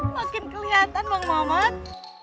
makin keliatan bang mamat